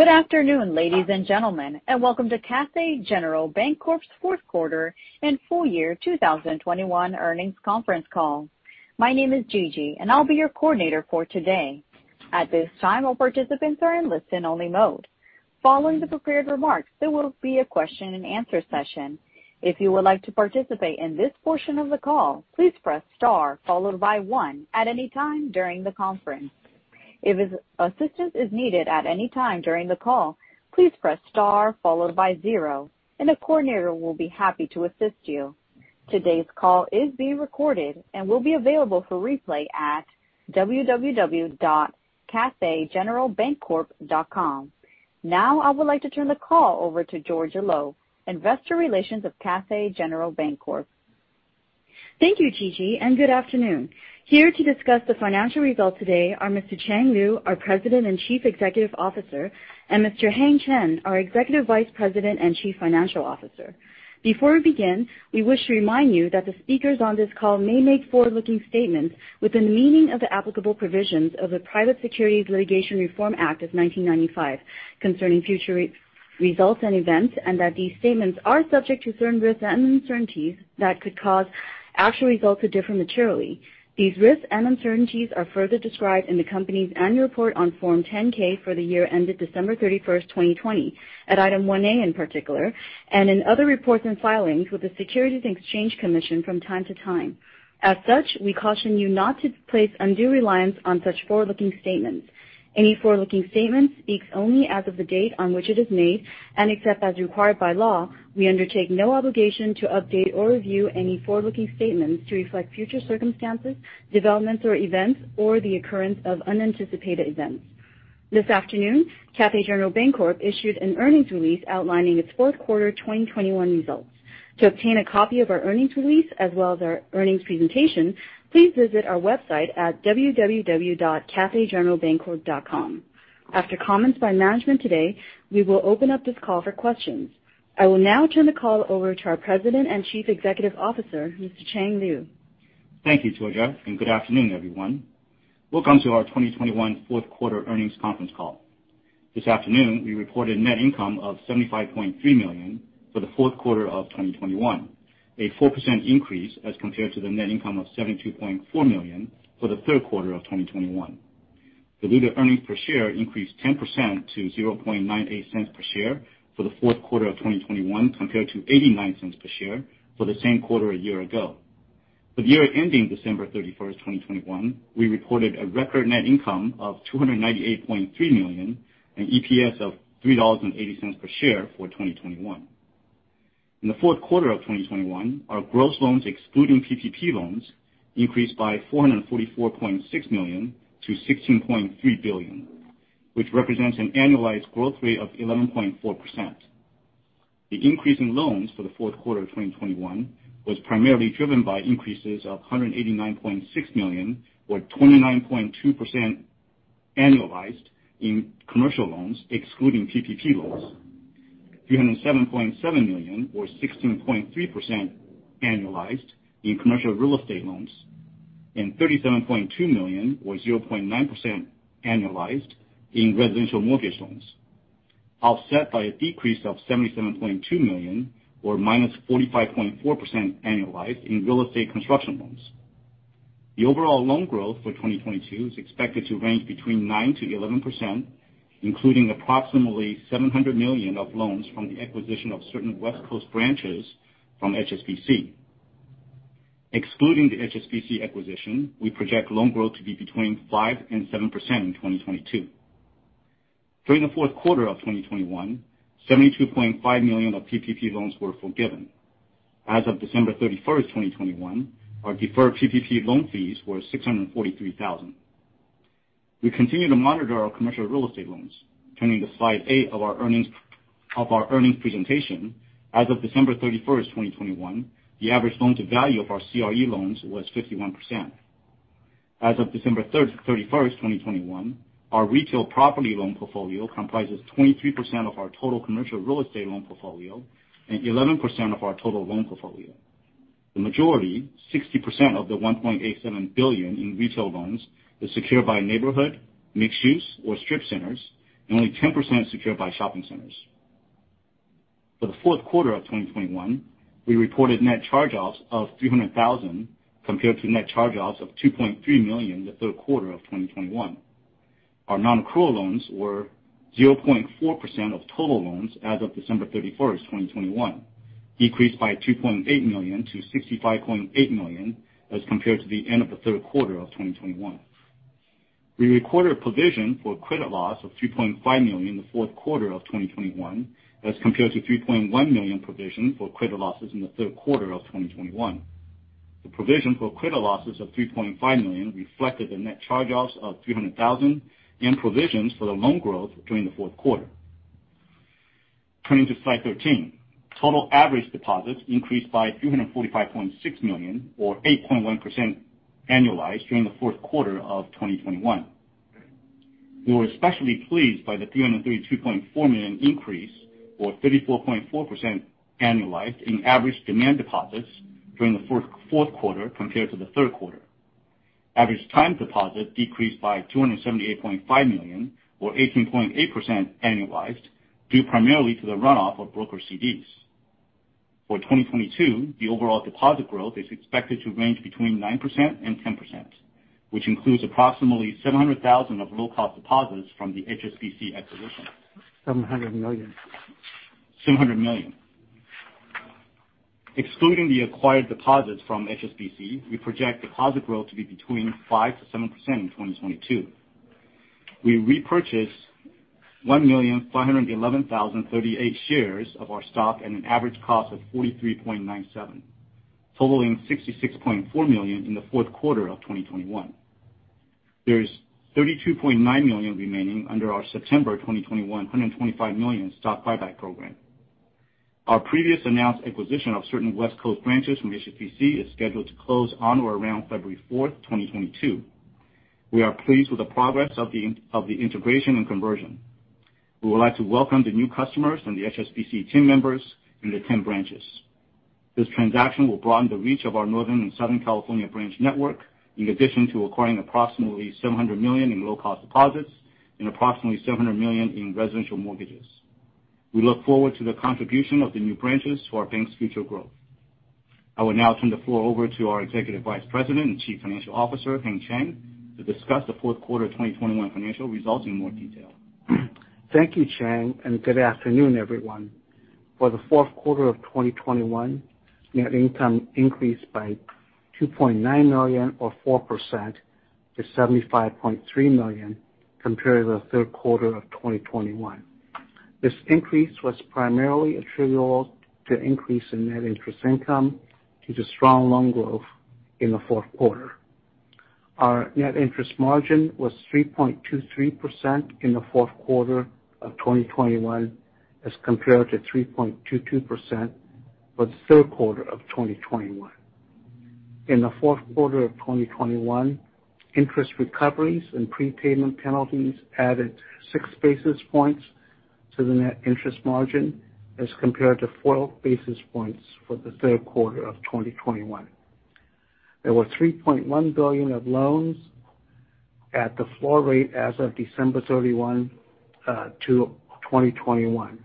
Good afternoon, ladies and gentlemen, and welcome to Cathay General Bancorp's fourth quarter and full year 2021 earnings conference call. My name is Gigi, and I'll be your coordinator for today. At this time, all participants are in listen-only mode. Following the prepared remarks, there will be a question-and-answer session. If you would like to participate in this portion of the call, please press star followed by one at any time during the conference. If assistance is needed at any time during the call, please press star followed by zero, and a coordinator will be happy to assist you. Today's call is being recorded and will be available for replay at www.cathaygeneralbancorp.com. Now I would like to turn the call over to Georgia Lo, investor relations of Cathay General Bancorp. Thank you, Gigi, and good afternoon. Here to discuss the financial results today are Mr. Chang Liu, our President and Chief Executive Officer, and Mr. Heng Chen, our Executive Vice President and Chief Financial Officer. Before we begin, we wish to remind you that the speakers on this call may make forward-looking statements within the meaning of the applicable provisions of the Private Securities Litigation Reform Act of 1995 concerning future results and events, and that these statements are subject to certain risks and uncertainties that could cause actual results to differ materially. These risks and uncertainties are further described in the company's annual report on Form 10-K for the year ended December 31, 2020, at Item 1A in particular, and in other reports and filings with the Securities and Exchange Commission from time to time. As such, we caution you not to place undue reliance on such forward-looking statements. Any forward-looking statement speaks only as of the date on which it is made, and except as required by law, we undertake no obligation to update or review any forward-looking statements to reflect future circumstances, developments or events, or the occurrence of unanticipated events. This afternoon, Cathay General Bancorp issued an earnings release outlining its fourth quarter 2021 results. To obtain a copy of our earnings release as well as our earnings presentation, please visit our website at www.cathaygeneralbancorp.com. After comments by management today, we will open up this call for questions. I will now turn the call over to our President and Chief Executive Officer, Mr. Chang Liu. Thank you, Georgia, and good afternoon, everyone. Welcome to our 2021 fourth quarter earnings conference call. This afternoon, we reported net income of $75.3 million for the fourth quarter of 2021, a 4% increase as compared to the net income of $72.4 million for the third quarter of 2021. Diluted earnings per share increased 10% to $0.98 per share for the fourth quarter of 2021 compared to $0.89 per share for the same quarter a year ago. For the year ending December 31, 2021, we reported a record net income of $298.3 million, an EPS of $3.80 per share for 2021. In the fourth quarter of 2021, our gross loans, excluding PPP loans, increased by $444.6 million to $16.3 billion, which represents an annualized growth rate of 11.4%. The increase in loans for the fourth quarter of 2021 was primarily driven by increases of $189.6 million or 29.2% annualized in commercial loans excluding PPP loans, $307.7 million or 16.3% annualized in commercial real estate loans, and $37.2 million or 0.9% annualized in residential mortgage loans, offset by a decrease of $77.2 million or -45.4% annualized in real estate construction loans. The overall loan growth for 2022 is expected to range between 9%-11%, including approximately $700 million of loans from the acquisition of certain West Coast branches from HSBC. Excluding the HSBC acquisition, we project loan growth to be between 5% and 7% in 2022. During the fourth quarter of 2021, $72.5 million of PPP loans were forgiven. As of December 31, 2021, our deferred PPP loan fees were $643,000. We continue to monitor our commercial real estate loans. Turning to slide eight of our earnings presentation, as of December 31, 2021, the average loan-to-value of our CRE loans was 51%. As of December 31, 2021, our retail property loan portfolio comprises 23% of our total commercial real estate loan portfolio and 11% of our total loan portfolio. The majority, 60% of the $1.87 billion in retail loans is secured by neighborhood, mixed use or strip centers, and only 10% is secured by shopping centers. For the fourth quarter of 2021, we reported net charge-offs of $300,000 compared to net charge-offs of $2.3 million in the third quarter of 2021. Our non-accrual loans were 0.4% of total loans as of December 31, 2021, decreased by $2.8 million to $65.8 million as compared to the end of the third quarter of 2021. We recorded a provision for credit losses of $3.5 million in the fourth quarter of 2021 as compared to $3.1 million provision for credit losses in the third quarter of 2021. The provision for credit losses of $3.5 million reflected the net charge-offs of $300,000 and provisions for the loan growth during the fourth quarter. Turning to slide 13. Total average deposits increased by $345.6 million or 8.1% annualized during the fourth quarter of 2021. We were especially pleased by the $332.4 million increase or 34.4% annualized in average demand deposits during the fourth quarter compared to the third quarter. Average time deposits decreased by $278.5 million or 18.8% annualized, due primarily to the runoff of brokered CDs. For 2022, the overall deposit growth is expected to range between 9% and 10%, which includes approximately $700,000 of low-cost deposits from the HSBC acquisition. $700 million. $700 million. Excluding the acquired deposits from HSBC, we project deposit growth to be between 5%-7% in 2022. We repurchased 1,511,038 shares of our stock at an average cost of $43.97, totaling $66.4 million in the fourth quarter of 2021. There is $32.9 million remaining under our September 2021 $125 million stock buyback program. Our previously announced acquisition of certain West Coast branches from HSBC is scheduled to close on or around February 4, 2022. We are pleased with the progress of the integration and conversion. We would like to welcome the new customers and the HSBC team members in the ten branches. This transaction will broaden the reach of our northern and southern California branch network, in addition to acquiring approximately $700 million in low-cost deposits and approximately $700 million in residential mortgages. We look forward to the contribution of the new branches to our bank's future growth. I will now turn the floor over to our Executive Vice President and Chief Financial Officer, Heng Chen, to discuss the fourth quarter of 2021 financial results in more detail. Thank you, Chang, and good afternoon, everyone. For the fourth quarter of 2021, net income increased by $2.9 million or 4% to $75.3 million, compared to the third quarter of 2021. This increase was primarily attributable to increase in net interest income due to strong loan growth in the fourth quarter. Our net interest margin was 3.23% in the fourth quarter of 2021, as compared to 3.22% for the third quarter of 2021. In the fourth quarter of 2021, interest recoveries and prepayment penalties added 6 basis points to the net interest margin, as compared to four basis points for the third quarter of 2021. There were $3.1 billion of loans at the floor rate as of December 31, 2021.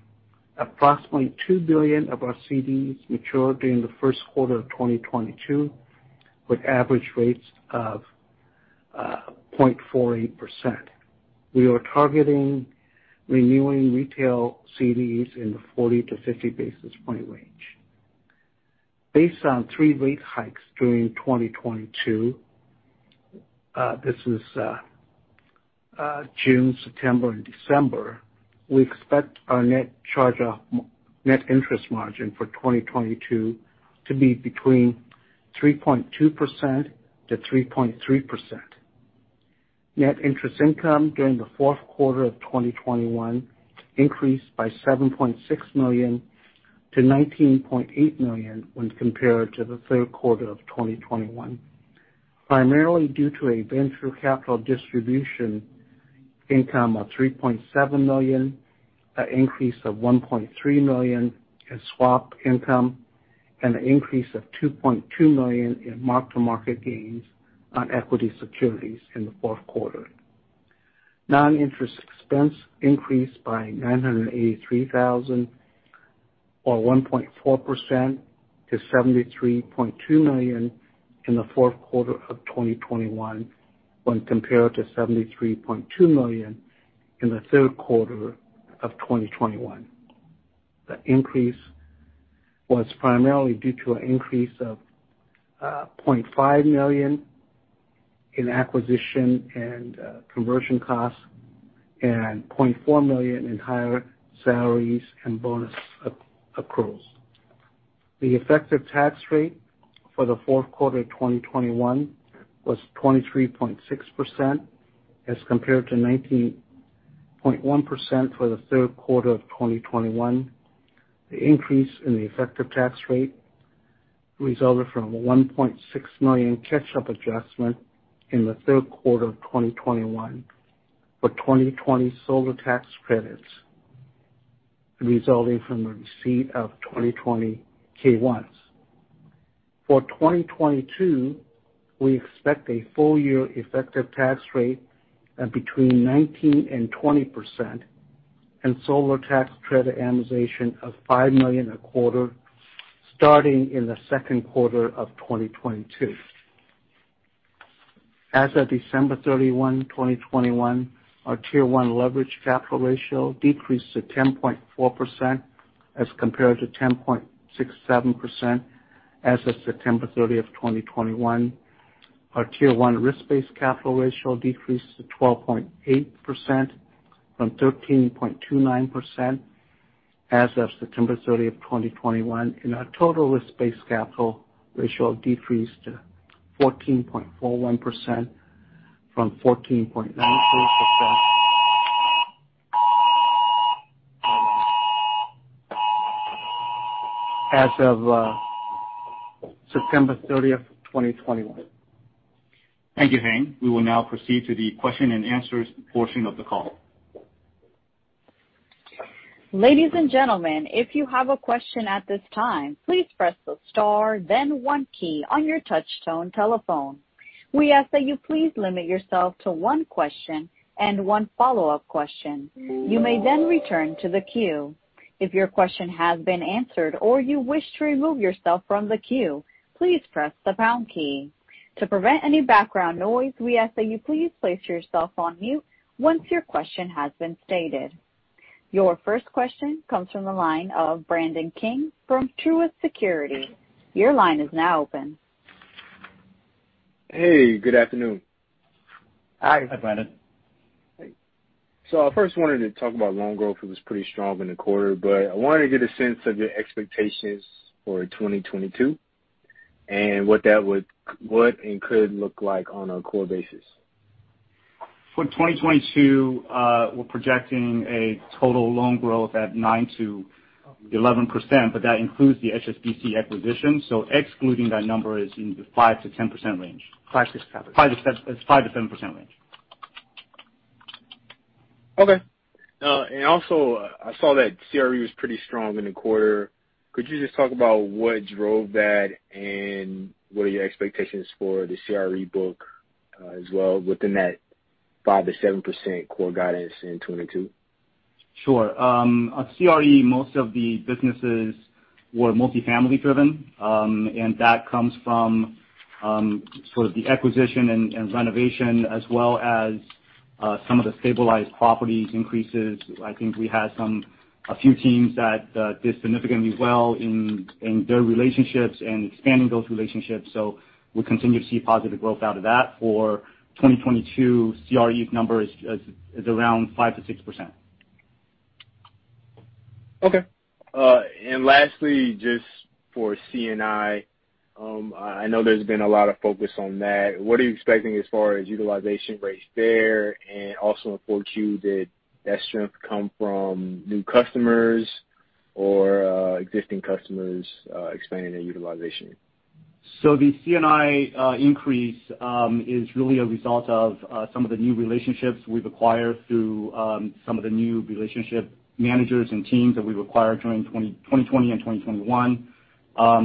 Approximately $2 billion of our CDs matured during the first quarter of 2022, with average rates of 0.48%. We are targeting renewing retail CDs in the 40-50 basis point range. Based on three rate hikes during 2022, this is June, September, and December, we expect our net interest margin for 2022 to be between 3.2%-3.3%. Net interest income during the fourth quarter of 2021 increased by $7.6 million to $19.8 million when compared to the third quarter of 2021, primarily due to a venture capital distribution income of $3.7 million, an increase of $1.3 million in swap income, and an increase of $2.2 million in mark-to-market gains on equity securities in the fourth quarter. Non-interest expense increased by $983,000 or 1.4% to $73.2 million in the fourth quarter of 2021, when compared to $73.2 million in the third quarter of 2021. The increase was primarily due to an increase of $0.5 million in acquisition and conversion costs and $0.4 million in higher salaries and bonus accruals. The effective tax rate for the fourth quarter of 2021 was 23.6%, as compared to 19.1% for the third quarter of 2021. The increase in the effective tax rate resulted from a $1.6 million catch-up adjustment in the third quarter of 2021 for 2020 solar tax credits resulting from the receipt of 2020 K-1s. For 2022, we expect a full year effective tax rate of between 19% and 20% and solar tax credit amortization of $5 million a quarter, starting in the second quarter of 2022. As of December 31, 2021, our Tier one leverage ratio decreased to 10.4% as compared to 10.67% as of September 30, 2021. Our Tier one risk-based capital ratio decreased to 12.8% from 13.29% as of September 30, 2021. Our total risk-based capital ratio decreased to 14.41% from 14.93% as of September 30, 2021. Thank you, Heng. We will now proceed to the question and answers portion of the call. Ladies and gentlemen, if you have a question at this time, please press the star then one key on your touchtone telephone. We ask that you please limit yourself to one question and one follow-up question. You may then return to the queue. If your question has been answered or you wish to remove yourself from the queue, please press the pound key. To prevent any background noise, we ask that you please place yourself on mute once your question has been stated. Your first question comes from the line of Brandon King from Truist Securities. Your line is now open. Hey, good afternoon. Hi. Hi, Brandon. I first wanted to talk about loan growth. It was pretty strong in the quarter, but I wanted to get a sense of your expectations for 2022 and what that would and could look like on a core basis. For 2022, we're projecting a total loan growth at 9%-11%, but that includes the HSBC acquisition. Excluding that number is in the 5%-10% range. Five to seven. 5%-7%. It's 5%-10% range. Okay. Also, I saw that CRE was pretty strong in the quarter. Could you just talk about what drove that and what are your expectations for the CRE book, as well within that 5%-7% core guidance in 2022? Sure. On CRE, most of the businesses were multifamily driven, and that comes from sort of the acquisition and renovation as well as some of the stabilized properties increases. I think we had a few teams that did significantly well in their relationships and expanding those relationships. We continue to see positive growth out of that. For 2022, CRE number is around 5%-6%. Okay. Lastly, just for C&I know there's been a lot of focus on that. What are you expecting as far as utilization rates there? Also in 4Q, did that strength come from new customers or existing customers expanding their utilization? The C&I increase is really a result of some of the new relationships we've acquired through some of the new relationship managers and teams that we've acquired during 2020 and 2021.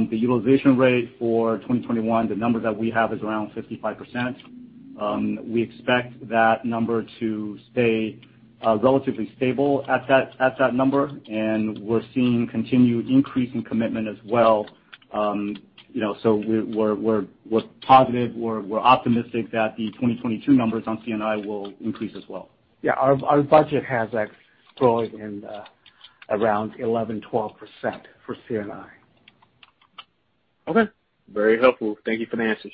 The utilization rate for 2021, the number that we have is around 55%. We expect that number to stay relatively stable at that number, and we're seeing continued increase in commitment as well. You know, we're positive. We're optimistic that the 2022 numbers on C&I will increase as well. Yeah. Our budget has that growing in around 11%-12% for C&I. Okay. Very helpful. Thank you for the answers.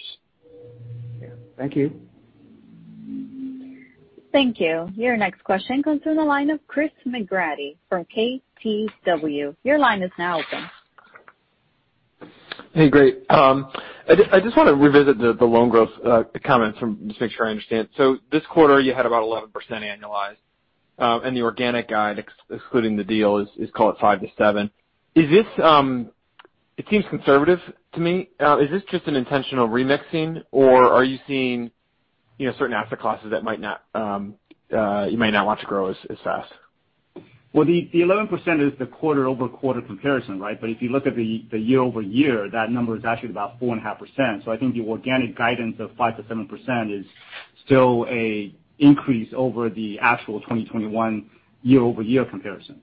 Yeah. Thank you. Thank you. Your next question comes from the line of Chris McGratty from KBW. Your line is now open. Hey, great. I just want to revisit the loan growth comments. Just to make sure I understand. This quarter you had about 11% annualized, and the organic guide excluding the deal is call it 5%-7%. It seems conservative to me. Is this just an intentional remixing, or are you seeing, you know, certain asset classes that might not, you might not want to grow as fast? Well, the 11% is the quarter-over-quarter comparison, right? If you look at the year-over-year, that number is actually about 4.5%. I think the organic guidance of 5%-7% is still a increase over the actual 2021 year-over-year comparison.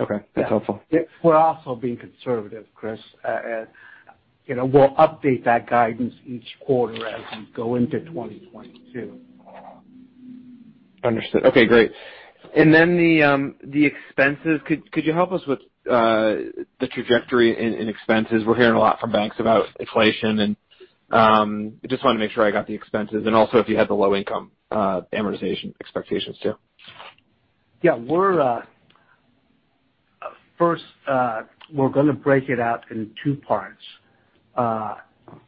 Okay. That's helpful. Yeah. We're also being conservative, Chris. You know, we'll update that guidance each quarter as we go into 2022. Understood. Okay, great. The expenses, could you help us with the trajectory in expenses? We're hearing a lot from banks about inflation and just wanna make sure I got the expenses and also if you had the low-income amortization expectations too. First, we're gonna break it out in two parts.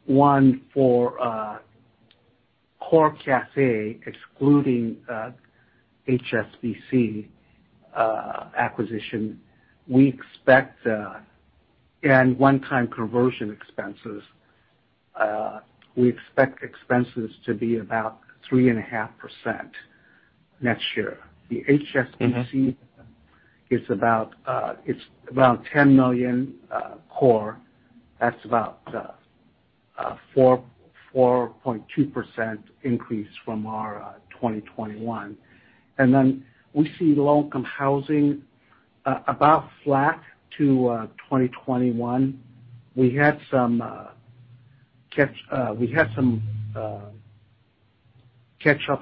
One for core Cathay, excluding HSBC acquisition and one-time conversion expenses, we expect expenses to be about 3.5% next year. The HSBC is about $10 million core. That's about 4.2% increase from our 2021. We see low-income housing about flat to 2021. We had some catch-up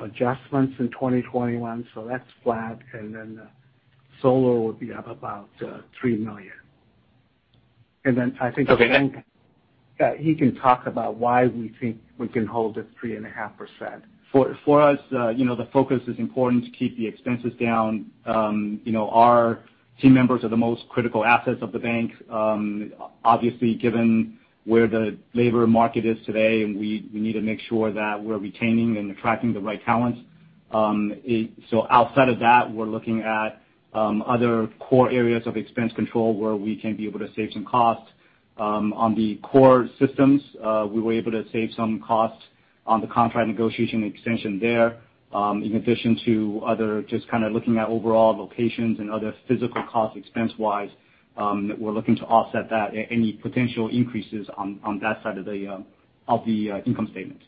adjustments in 2021, so that's flat. Solar would be up about $3 million. I think Okay. Yeah, he can talk about why we think we can hold at 3.5%. For us, you know, the focus is important to keep the expenses down. You know, our team members are the most critical assets of the bank. Obviously, given where the labor market is today, and we need to make sure that we're retaining and attracting the right talent. Outside of that, we're looking at other core areas of expense control where we can be able to save some cost. On the core systems, we were able to save some costs on the contract negotiation extension there, in addition to other just kind of looking at overall locations and other physical costs expense-wise, that we're looking to offset any potential increases on that side of the income statement.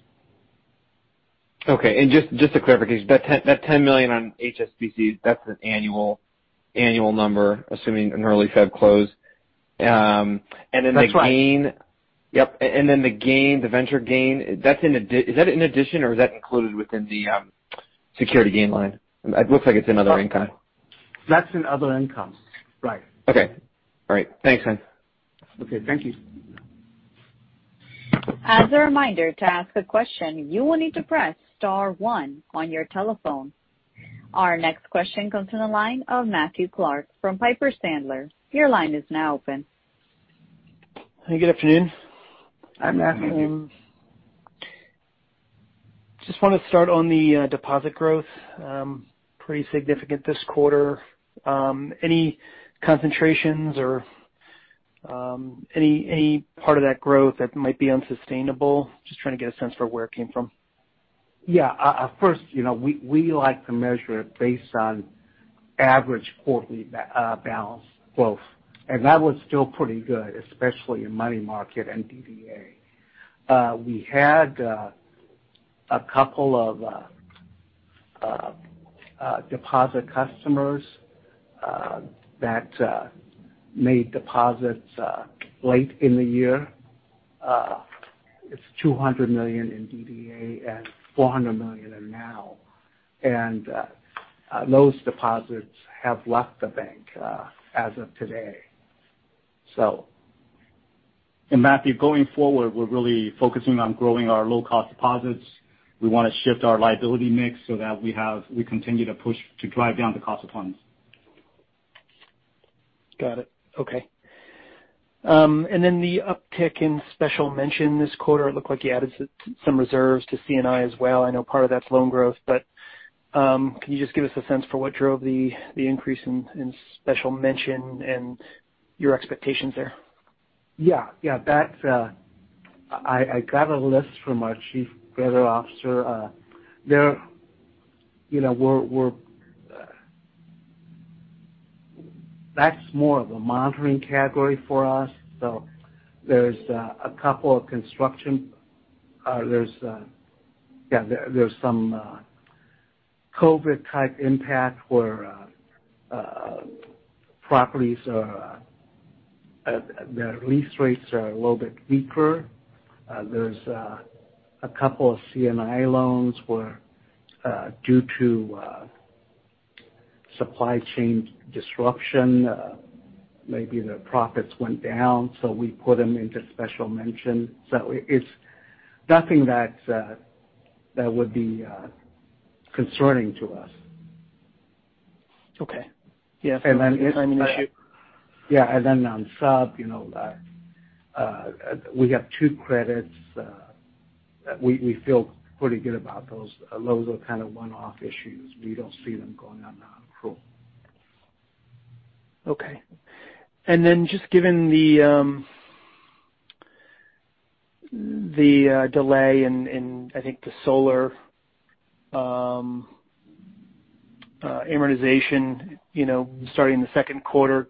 Okay. Just a clarification. That $10 million on HSBC, that's an annual number, assuming an early February close. Then the gain- That's right. Yep. Then the gain, the venture gain, is that an addition or is that included within the securities gain line? It looks like it's in other income. That's in other income. Right. Okay. All right. Thanks, Heng. Okay, thank you. As a reminder, to ask a question, you will need to press star one on your telephone. Our next question comes to the line of Matthew Clark from Piper Sandler. Your line is now open. Hey, good afternoon. Hi, Matthew. Just wanna start on the deposit growth, pretty significant this quarter. Any concentrations or any part of that growth that might be unsustainable? Just trying to get a sense for where it came from. Yeah. First, you know, we like to measure it based on average quarterly balance growth. That was still pretty good, especially in money market and DDA. We had a couple of deposit customers that made deposits late in the year. It's $200 million in DDA and $400 million in MM. Those deposits have left the bank as of today. Matthew, going forward, we're really focusing on growing our low-cost deposits. We wanna shift our liability mix so that we continue to push to drive down the cost of funds. Got it. Okay. The uptick in special mention this quarter, it looked like you added some reserves to C&I as well. I know part of that's loan growth, but can you just give us a sense for what drove the increase in special mention and your expectations there? Yeah. Yeah. That's. I got a list from our chief credit officer. You know, that's more of a monitoring category for us. There's a couple of construction. There's some COVID-type impact where properties, their lease rates are a little bit weaker. There's a couple of C&I loans where due to supply chain disruption maybe their profits went down, so we put them into special mention. It's nothing that would be concerning to us. Okay. Yeah. And then it's- issue. Yeah. Then on sub, you know, we have two credits that we feel pretty good about those. Those are kind of one-off issues. We don't see them going on now. Cool. Okay. Just given the delay in, I think, the solar amortization, you know, starting the second quarter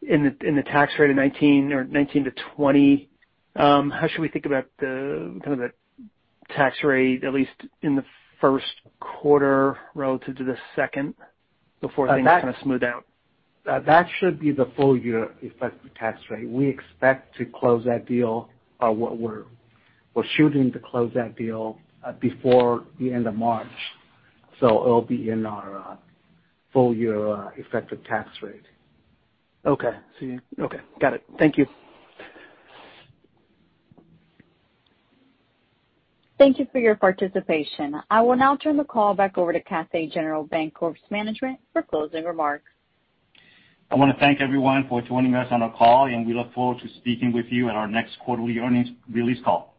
in the tax rate of 19% or 19%-20%, how should we think about the kind of the tax rate, at least in the first quarter relative to the second before things kinda smooth out? That should be the full year effective tax rate. We expect to close that deal. We're shooting to close that deal before the end of March. It'll be in our full year effective tax rate. Okay. See. Okay. Got it. Thank you. Thank you for your participation. I will now turn the call back over to Cathay General Bancorp's management for closing remarks. I wanna thank everyone for joining us on the call, and we look forward to speaking with you in our next quarterly earnings release call.